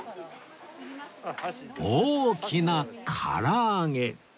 大きな唐揚げ